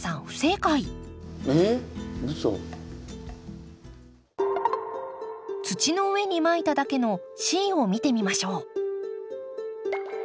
不正解土の上にまいただけのＣを見てみましょう。